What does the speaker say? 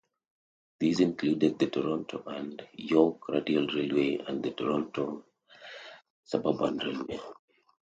These included the Toronto and York Radial Railway and the Toronto Suburban Railway.